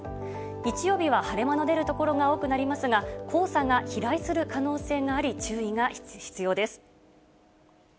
日曜日は晴れ間の出るところが多くなりますが黄砂が飛来する可能性があり注意が必要です。